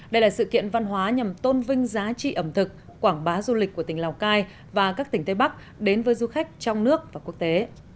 đây là sự kiện văn hóa nhằm tôn vinh giá trị ẩm thực quảng bá du lịch của tỉnh lào cai và các tỉnh tây bắc đến với du khách trong nước và quốc tế